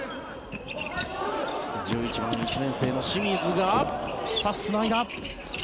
１１番、１年生の清水がパス、つないだ。